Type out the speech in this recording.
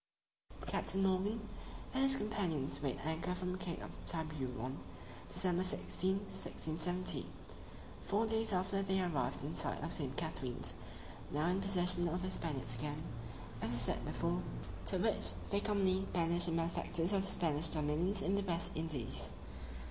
_ CAPTAIN MORGAN and his companions weighed anchor from the Cape of Tiburon, December 16, 1670. Four days after they arrived in sight of St. Catherine's, now in possession of the Spaniards again, as was said before, to which they commonly banish the malefactors of the Spanish dominions in the West Indies.